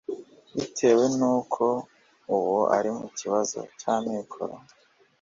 bitewe nuko ubu ari mu kibazo cy’amikoro